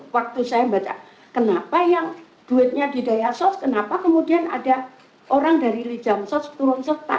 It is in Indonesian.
waktu saya baca kenapa yang duitnya di daya sos kenapa kemudian ada orang dari lijam sos turun serta